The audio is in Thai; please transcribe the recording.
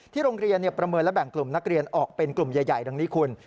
โรงเรียนประเมินและแบ่งกลุ่มนักเรียนออกเป็นกลุ่มใหญ่ดังนี้คุณ